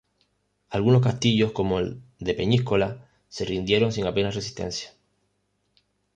Algunos castillos como el de Peñíscola se rindieron sin apenas resistencia.